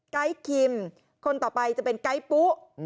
ไกด์คิมคนต่อไปจะเป็นไกด์ปุ๊